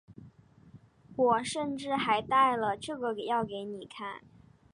我甚至还带了这个要给你看